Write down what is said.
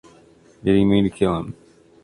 Did he mean to kill him?